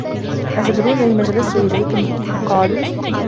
أَتَدْرُونَ لِمَ جَلَسْتُ إلَيْكُمْ ؟ قَالُوا